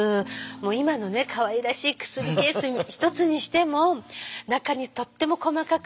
今のかわいらしい薬ケース一つにしても中にとっても細かく字でね。